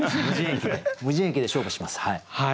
「無人駅」で勝負します。